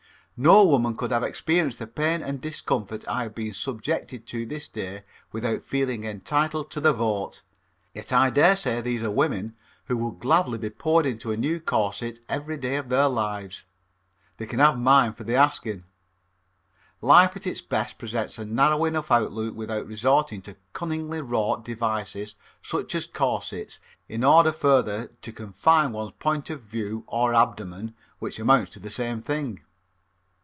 No woman could have experienced the pain and discomfort I have been subjected to this day without feeling entitled to the vote. Yet I dare say there are women who would gladly be poured into a new corset every day of their lives. They can have mine for the asking. Life at its best presents a narrow enough outlook without resorting to cunningly wrought devices such as corsets in order further to confine one's point of view or abdomen, which amounts to the same thing.